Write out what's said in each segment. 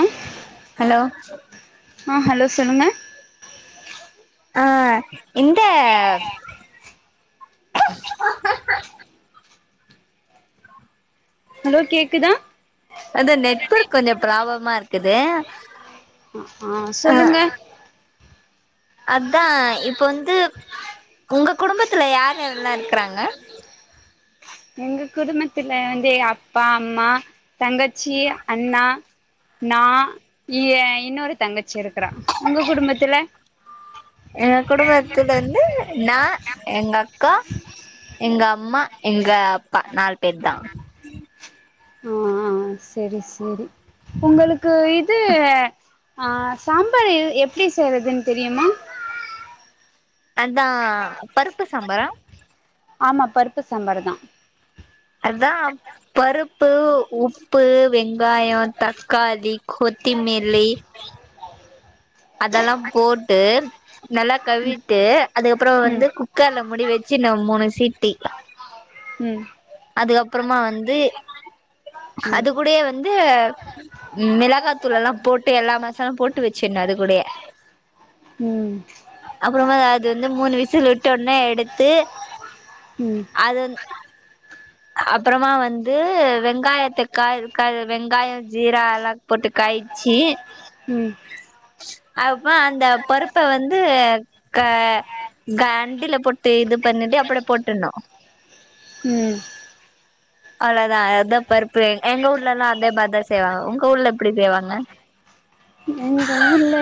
ஆ hello ஆ hello சொல்லுங்க ஆ இந்த ஹலோ கேக்குதா அதா நெட்வொர்க் கொஞ்ச ப்ராப்பவ்மா இருக்குது ம் அ ஆ சொல்லுங்க அதா இப்ப வந்து உங்க குடும்பத்துல யார் யாரெல்லா இருக்றாங்க எங்க குடும்பத்துல வந்து அப்பா, அம்மா, தங்கச்சி, அண்ணா, நா ஏ இன்னோரு தங்கச்சி இருக்கறா உங்க குடும்பத்துல எங்க குடும்பத்துல வந்து நா, எங்கக்கா, எங்கம்மா, எங்கப்பா நால் பேர்தா ஆ ஆ செரி செரி உங்களுக்கு இது ஆ சாம்பாரு எப்டி செய்யறதுன் தெரியுமா அதா பருப்பு சாம்பாரா ஆமா பருப்பு சாம்பாரு தா அதா பருப்பு, உப்பு, வெங்காயோ, தக்காளி, கொத்திமில்லி அதல்லா போட்டு நல்லா கவீட்டு அதுக்கப்றோ ம் வந்து குக்கர்ல முடி வெச்சு ந மூணு சீட்டி ம் அதுக்கப்றமா வந்து ம் அது கூடயே வந்து மிளகாத்தூளல்லா போட்டு எல்லா மசாலவு போட்டு வச்சிணு அது கூடய ம் அப்புறமா அது வந்து மூணு விசில் உட்டொன்னே எடுத்து ம் அது வந் அப்புறமா வந்து வெங்காயத்த காழ் கழ் வெங்காய ஜீரால்லா போட்டுக்கய் சீ ம் அதுப்மா அந்த பருப்ப வந்து க கண்டில போட்டு இது பண்ணிட்டு அப்ட போட்டுணு ம் அவ்ளோதா அதா பருப்பு எங்க ஊர்லல்லா அத மார்த செய்வாங்க உங்க ஊர்ல எப்டி செய்வாங்க எங்க ஊர்ல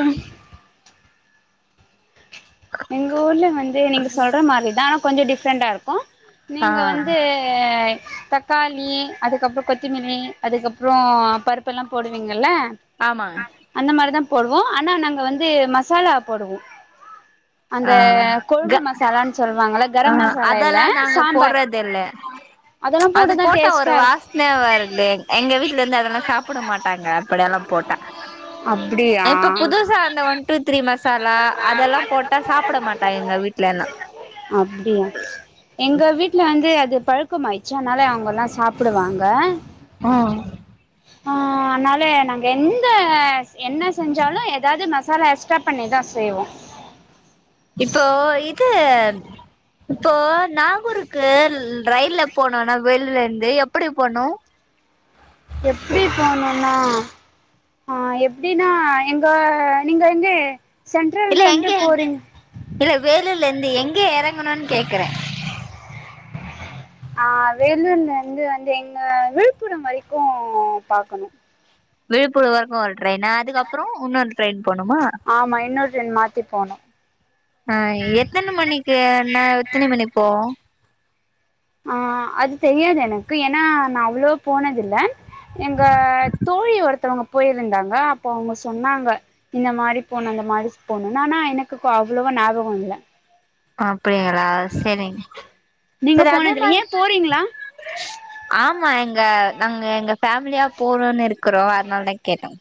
எங்க ஊர்ல வந்து நீங்க சொல்ற மாரிதா ஆனா கொஞ்ச டிஃப்ரெண்ட்டாருக்கு ஆ நீங்க வந்து ஏ தக்காளி அதுக்கப்பற கொத்திமில்லி அதுக்கப்றோ பருப்பெல்லா போடுவீங்கள ஆமாக அந்த மாரிதா போடுவோ ஆனா நாங்க வந்து மசாலா போடுவோ ஆ அந்த கொழும்பு க மசாலான்னு சொல்லுவாங்கல்ல அ கரம் மசாலா இல்ல அதெல்லா நாங்க சாம்பார் போர்றதுல்ல அதெல்லா அது போட்டுதா போட்டா ஒரு டேஸ்ட்டா இருக்கு வாசன வருல்லே எங்க வீட்லருந்து அதெல்லா சாப்புட மாட்டாங்க அப்படயெல்லா போட்ட அப்டியா இப்ப புதுசா அந்த ஒன் டூ த்ரீ மசாலா அதெல்லா போட் சாப்பட மாட்டா எங்க வீட்லல்லா அப்டியா எங்க வீட்ல வந்து அது பழக்கோமாயிச்சு அன்னால அவுங்கள்லா சாப்புடுவாங்க ஆ ஆ அன்னால நாங்க எந்த என்ன செஞ்சாலு எதாது மஸ் சாலா எஸ்ட்டா பண்ணிதா செய்வோ இப்போ இது இப்போ நாகூருக்கு ரயில்ல போனோனா வேலூர்லந்து எப்படி போனோ எப்டி போனுனா ஆ எப்டின்னா எங்க நீங்க எங்கு இல்ல எங்கே இல்ல வேலூர்லந்து எங்கே எறங்கனுன் கேக்குறே ஆ வேலூர்லந்து வந்து எங்க விழுப்புரோ வரைக்கோ பாக்கணு விழுப்புரோ வரைக்கு ஒரு ட்ரெயினா அதுக்கப்றோ உன்னொரு ட்ரெயின் போணுமா ஆமா இன்னொரு ட்ரெயின் மாத்தி போணு ஆ எத்தன மணிக்கு என்ன எத்தினி மணி போவோ ஆ அது தெரியாது எனக்கு ஏன்னா நா அவ்ளோ போனதில்ல எங்க தோழி ஒருத்தவங்க போயிருந்தாங்க அப்போ அவுங்க சொன்னாங்க இந்த மாரி போணு இந்த மாரிஸ் போணு ஆனா எனக்குக் அவ்ளோவா ஞாபகோ இல்ல அப்டிங்களா செரிங் நீங்க செர் அதே போனதில்ல ஏ மாரி போறீங்களா ஆமா எங்க நாங்க எங்க ஃபேமிலியா போறோனு இருக்குறோ அதனாலதா கேட்டய்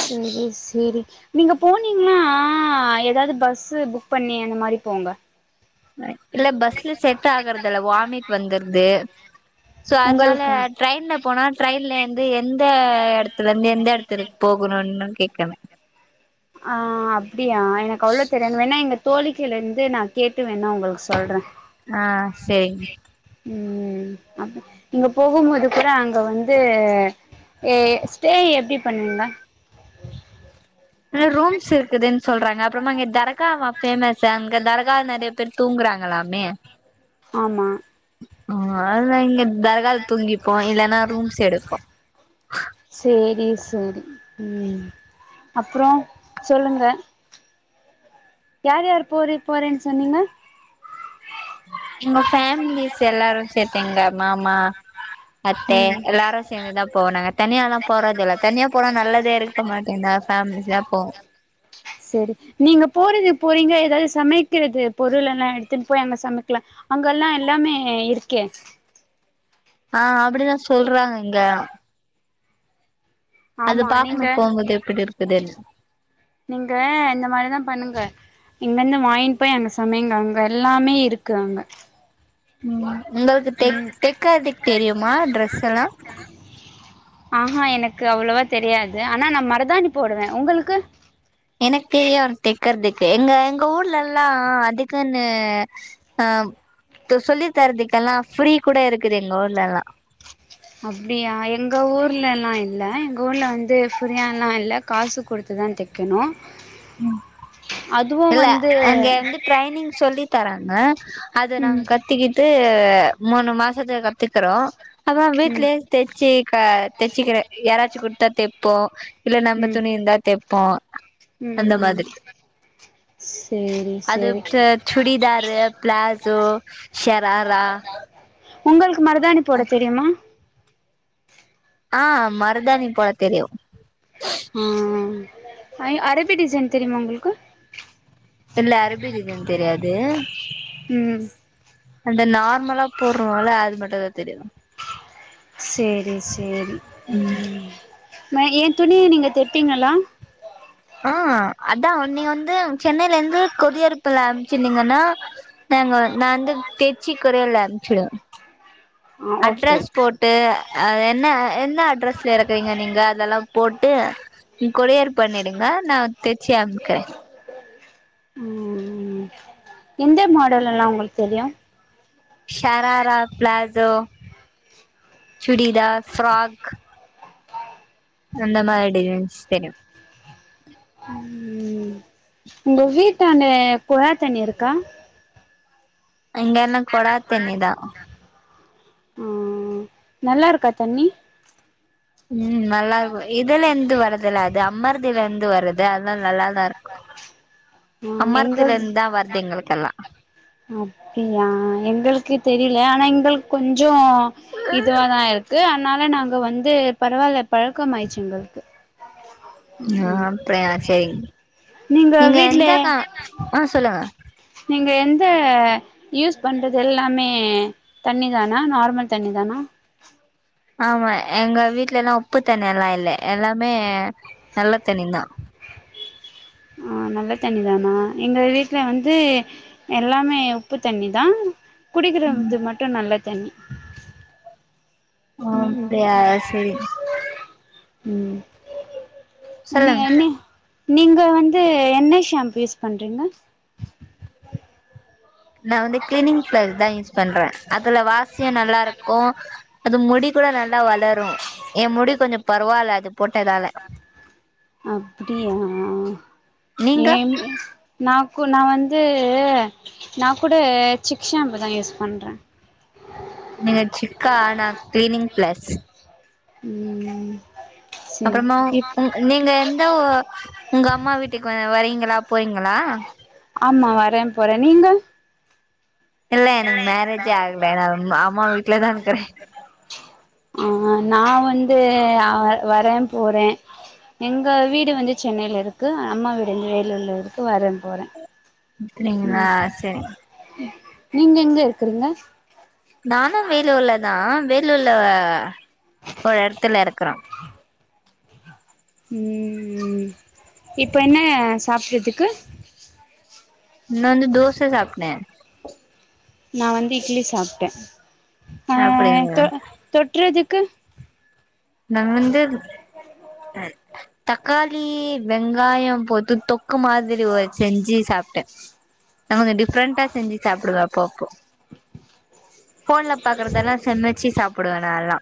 செரி செரி நீங்க போனீங்ன்னா எதாவ்து பஸ்சு புக் பண்ணி அந்த மாரி போங்க இல்ல பஸ்ல செட் ஆகற்துல்ல வாமிட் வந்துர்து சோ அதனால உங்களுக்கா ட்ரெயின்ல போனா ட்ரெயின்லயிந்து எந்த எடத்துல இருந்து எந்த எடத்திர்க்கு போகனுன்னு கேக்றே ஆ அப்டியா எனக்கு அவ்ளோ தெரியாது வேணா எங்க தோழிக்கயில இந்து நா கேட்டு வேணா உங்ளுக்கு சொல்றே ஆ செரிங் ம் அப்ப நீங்க போகும்போது கூட அங்க வந்து ஏ ஸ்டே எப்டி பண்ணுவிங்க ரூம்ஸ் இருக்குதுன் சொல்றாங்க அப்றோமா இங்க தர்காவா ஃபேமஸு அங்க தர்கா நெறைய பேர் தூங்றாங் எல்லாமே ஆமா அ அதுதா இங்க தர்கால தூங்கிப்போ இல்லன்னா ரூம்ஸ் எடுப்போ சேரி செரி ம் அப்றோ சொல்லுங்க யார் யார் போரி போறேனு சொன்னீங்க உங்க ஃபேமிலிஸ் எல்லாரு சேத்துங்க மாமா அத்தே ம் எல்லாரு சேந்துதா போனாங் தனியால்லா போறதுல்ல தனியா போனா நல்லதேயிருக்க மாட்டேதா ஞ்சா போவோ செரி நீங்க போறது போறீங்களா எதாது சமைக்கிறது பொருள் எல்லா எடுத்துன் போய் அங்க சமைக்லா அங்கல்லா எல்லாமே இர்க்கே ஆ அப்டிதா சொல்றாங்க இங்க அது ஆமா பாக்கணு நீங்க போம்போது எப்டி இருக்குதுன்னு நீங்க இந்த மாரிதா பண்ணுங்க இங்கந்து வாங்கின் போய் அங்க சமைங்க அங்க எல்லாமேயிருக்கு அங்க ம் உங்களுக்கு தெக் தெக்கர்துக்கு தெரியுமா ட்ரெஸ்ல்லா ஆஹா எனக்கு அவ்ளோவா தெரியாது ஆனா நா மர்தாணி போடுவே உங்களுக்கு எனக்கு வரு தெக்கர்துக்கு எங்க எங்க ஊர்லல்லா அதுக்குன்னு ஆ இப்ப சொல்லி தரத்துக்கெல்லா ஃப்ரீ கூட இருக்குது எங்க ஊர்லல்லா அப்டியா எங்க ஊர்லல்லா இல்ல எங்க ஊர்ல வந்து ஃபிரியால்லா இல்ல காசு குடுத்துதா தெக் கனு அதுவு இல்ல வந்து அங்க வந்து ட்ரைனிங் சொல்லி தராங்க அது நாங்க ம் கத் கத்திக்கிட்டு மூணு மாசத்துல கத்துக்குறோ அப்புறோ ம் ம் வீட்லயே தச்சுக தச்சுக்கிற யாராச்சி கொடுத்தா தைப்போ இல்ல நம்ம ம் துணி இருந்தா தைப்போ ம் அந்த ம் மாதிரி சேரி அது சேரி ச சுடிதாரு பிளாசோ ஷராரா உங்களுக்கு மருதாணி போட தெரியுமா ஆஹ் மருதானி போட தெரியு ஹ அர அரபி டிசைன் தெரியுமா உங்குளுக்கு இல்ல அரபி டிசைன் தெரியாது ம் அந்த நார்மலா போடுறோல அது மட்டு தா தெரியு சேரி சேரி உம் நா எ துணிய நீங்க தெப்பீங்களா ஆஹ் அதா நீங்க வந்து சென்னையில இருந்து கொதியறுப்புல அம்ச்சிருந்தீங்கன்னா நாங்க நா வந்து தெச்சி கொரியர்ல்ல அமுச்சுடுவே ஆ ஓகே அட்ரஸ் போட்டு என்ன எந்த அட்ரஸ்ல இருக்குறீங்க நீங்க அதெல்லா போட்டு கொரியர் பண்ணிடுங்க நா தச்சு அமுக்குறே ம் எந்த மாடல் எல்லா உங்களுக்கு தெரியு ஷராரா ப்ளஸோ சுடிதார் ஃப்ராக் அந்த மாரி டிசைன்ஸ் தெரியு ம் உங்க வீட்டாண்ட குழாத்தண்ணி இருக்கா இங்கென்ன கொடாத்தண்ணி தா ம் நல்லாருக்கா தண்ணி ம் நல்லா இருக்கு இதுலருந்து வரதுல்ல அது அமர்திலந்து வருது அதுனால நல்லாதா இரு ம் அமர்தில எங்கள்து இருந்து தா வருது எங்களுக்கெல்லா அப்டியா எங்களுக்கு தெரியல ஆனா எங்களு கொஞ்சோ இதுவாதா இருக்கு அதனால நாங்க வந்து பரவாயில்ல பழக்கம் ஆயிருச்சு எங்களுக்கு ஆ அப்டியா சரிங்க நீங்க எந்த கா ஆ சொல்லுங்க நீங்க எந்த யூஸ் பண்றது எல்லாமே தண்ணி தானா நார்மல் தண்ணி தானா ஆமா எங்க வீடல எல்லா உப்பு தண்ணில்லா இல்ல எல்லாமே நல்ல தண்ணி தா ஆ நல்ல தண்ணிதானா எங்க வீட்ல வந்து எல்லாமே உப்பு தண்ணி தா குடிக்கறது மட்டு நல்ல தண்ணி அ ம் ம் அப்படியா சேரி சே ம் அண்ணி சொல்லுங்க அண்ணி நீங்க வந்து என்ன ஷேம்பு யூஸ் பண்றீங்க நான் வந்து கிளீனிங் பிளஸ் தா யூஸ் பண்றே அதுல வாசியம் நல்லா இருக்கு அது முடி கூட நல்லா வளரு எ முடி கொஞ்ச பர்வால அது போட்டதால அப்டியா ஏ நீங்க ந கூ நா வந்து நா கூட சிக் ஷாம்பு தா யூஸ் பண்ணுறே நீங்க சிக்கா ஆனா கிளீனிங் பிளஸ் ம் செரி அப்புறமா இப் உ நீங்க எந்த உங்க அம்மா வீட்டுக்கு வரீங்களா போறீங்களா ஆமா வரே போறே நீங்க இல்ல எனக்கு மேரேஜே ஆகல நா அம் அம்மா வீட்ல தா இருக்கறே ம் நா வந்து அ வரே போறே எங்க வீடு வந்து சென்னைல இருக்கு அம்மா வீடு வந்து வேலூர்ல இருக்கு வர போறே ம் பிடிங்களா சேரிங் நீங்க எங்க இருக்குறீங்க நானு வேலூர்ல தா வேலூர்ல ஒரு எடத்துல இருக்கறோ ம் இப்ப என்ன சாப்பிடறதுக்கு நா வந்து தோச சாப்டே நா வந்து இட்லி சாப்ட்டே அ அப்படிங்களா தொ தொட்றதுக்கு நா வந்து தக்காளி வெங்காயம் போட்டு தொக்கு மாதிரி ஒ செஞ்சு சாப்டே நா கொஞ்சோ டிஃப்ரெண்டா செஞ்சு சாப்டுவே அப்போ அப்போ ஃபோன்ல பாக்கறதெல்லா சமச்சு சாப்பிடுவே நால்லா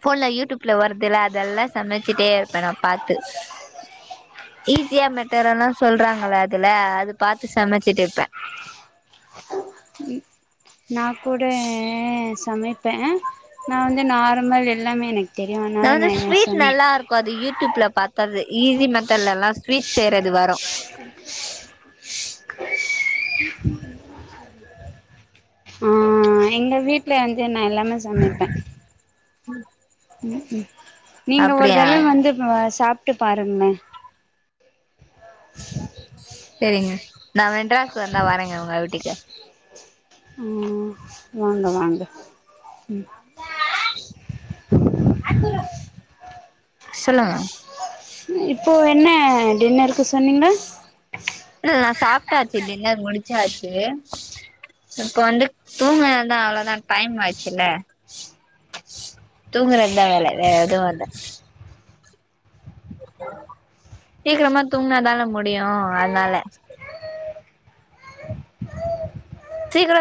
ஃபோன்ல யூடியூப் ல வர்துல அதெல்லா சமைச்சிட்டே இருப்பே நா பாத்து ஈஸியா மெத்தெட் எல்லா சொல்றாங்கள அதுல அது பாத்து சமைச்சுட்டு இருப்பே ம் நா கூட சமைப் பே நா வந்து நார்மல் எல்லாமே எனக்கு தெரியு அதனால நா எ சமை க்கு அது யூடியூப்ல பாத்தர்ரது ஈஸி மெத்தட்லல்லா ஸ்வீட் செய்றது வரு ஆ எங்க வீட்ல வந்து நா எல்லாமே சமைப்பே ம்ம் நீங்க ஒரு அப்டியா தறவ வந்து சாப்ட்டு பாருங்ளே [inaudible] செரிங்க நா மெட்ராஸ் வந்தா வரங்க உங்க ஊட்டுக்கு ம் வாங்க வாங்க ம் சொல்லுங்க இப்போ என்ன டின்னர்க்கு சொன்னீங்க நா சாப்ட்டாச்சுடின்னர் முடிச்சாச்சு இப்ப வந்து தூங்குனதா அவ்ளோதா டைம் ஆச்சுல்ல தூங்த வேல வேற எதுவு இல்ல சீக்ரமா தூங்னாதானே முடியு அதுனால சீக்ரோ